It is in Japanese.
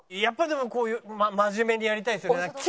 やっぱりでもこういう真面目にやりたいですよね。